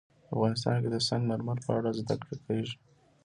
افغانستان کې د سنگ مرمر په اړه زده کړه کېږي.